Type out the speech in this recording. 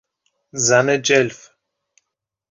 زن جلف